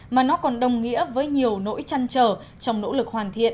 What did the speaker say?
mà nó còn đồng nghĩa với nhiều nỗi chăn trở trong nỗ lực hoàn thiện